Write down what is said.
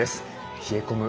冷え込む